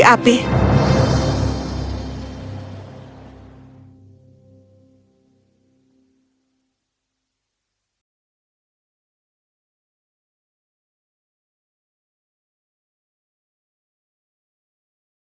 tapi ripple tidak tahu